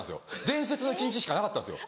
『伝説の一日』しかなかったんです。